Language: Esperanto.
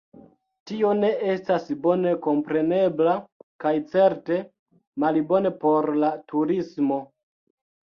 Tio ne estas bone komprenebla kaj certe malbone por la turismo.